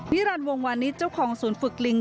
รันดิวงวานิสเจ้าของศูนย์ฝึกลิง